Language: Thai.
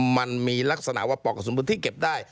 มันมีลักษณะว่าปอกกระสุนที่เก็บได้